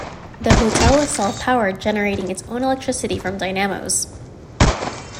The hotel was self-powered, generating its own electricity from dynamos.